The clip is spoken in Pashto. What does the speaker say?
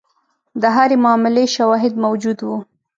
د هرې معاملې شواهد موجود وو.